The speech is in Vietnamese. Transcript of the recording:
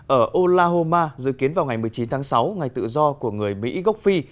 ở olahoma dự kiến vào ngày một mươi chín tháng sáu ngày tự do của người mỹ gốc phi